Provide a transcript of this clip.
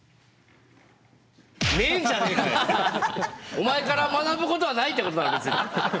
お前から学ぶことはない！ってことだな別に。